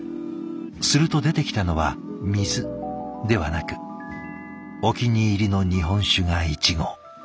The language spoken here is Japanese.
すると出てきたのは水ではなくお気に入りの日本酒が１合。